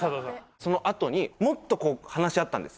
そのあとにもっと話し合ったんです